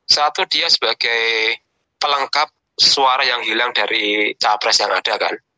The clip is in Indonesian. satu dia sebagai pelengkap suara yang hilang dari capres yang ada kan